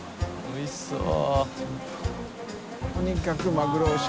おいしそう！